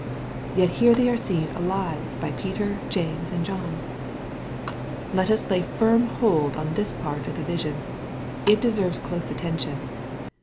'' Yet here they are seen alive by Peter, James, and John ! Let us lay firm hold on this part of the vision. It deserves close attention.